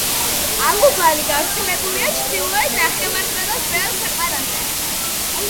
ალუბალი გავრცელებულია ჩრდილოეთ ნახევარსფეროს ბევრ ქვეყანაში.